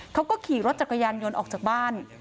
เขาก็ขี่รถจักรยานยนต์ออกจากบ้าน